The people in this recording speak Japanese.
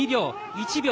１秒。